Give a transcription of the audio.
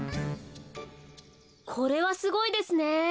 これはすごいですね。